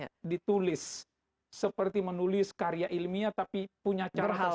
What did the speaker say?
jadi tidak ditulis seperti menulis karya ilmiah tapi punya cara sendiri